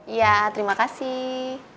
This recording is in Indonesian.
iya terima kasih